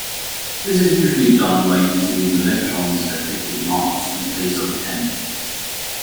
This is usually done by using the electrons' effective mass in place of "m".